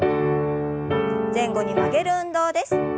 前後に曲げる運動です。